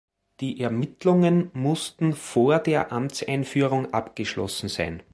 Die Ermittlungen mussten vor der Amtseinführung abgeschlossen sein.